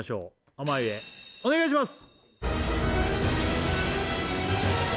濱家お願いします